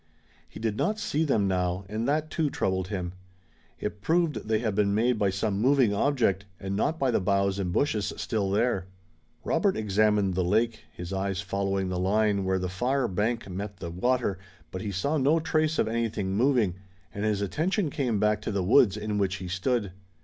He did not see them now, and that, too, troubled him. It proved that they had been made by some moving object, and not by the boughs and bushes still there. Robert examined the lake, his eyes following the line where the far bank met the water, but he saw no trace of anything moving, and his attention came back to the woods in which he stood.